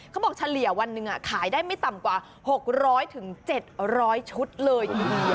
เฉลี่ยวันหนึ่งขายได้ไม่ต่ำกว่า๖๐๐๗๐๐ชุดเลย